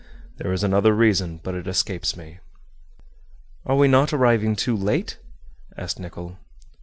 There is another reason, but it escapes me." "Are we not arriving too late?" asked Nicholl.